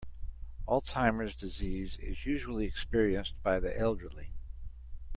Alzheimer’s disease is usually experienced by the elderly.